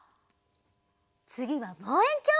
つぎはぼうえんきょう！